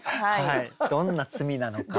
どんな罪なのか